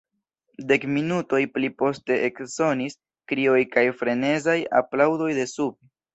Dek minutojn pli poste eksonis krioj kaj frenezaj aplaŭdoj de sube.